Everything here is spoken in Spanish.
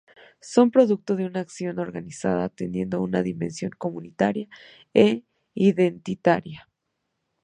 Son producto de una acción organizada, teniendo una dimensión comunitaria e identitaria.